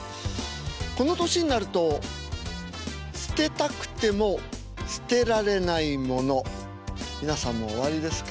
この年になると捨てたくても捨てられないもの皆さんもおありですか？